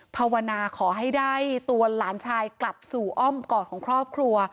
ภาวนาขอให้ได้ตัวหลานชายกลับสู่อ้อมกอดของครอบครัว